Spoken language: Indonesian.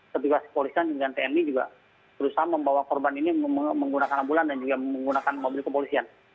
tapi kalau polisi juga berusaha membawa korban ini menggunakan ambulan dan juga menggunakan mobil kepolisian